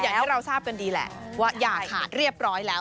อย่างที่เราทราบกันดีแหละว่าอย่าขาดเรียบร้อยแล้ว